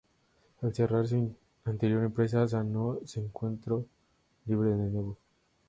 Al cerrar su anterior empresa, Sano se encontró libre de nuevo.